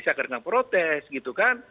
siapkan dengan protes gitu kan